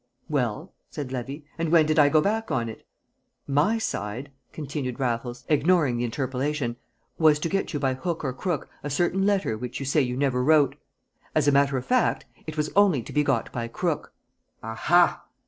"Well," said Levy, "and when did I go back on it?" "My side," continued Raffles, ignoring the interpolation, "was to get you by hook or crook a certain letter which you say you never wrote. As a matter of fact it was only to be got by crook " "Aha!"